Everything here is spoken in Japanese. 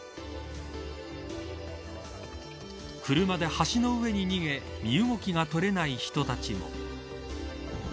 車で橋の上に逃げ身動きが取れない人たちも。